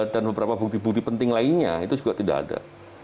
dan beberapa bukti bukti penting lainnya itu juga tidak ada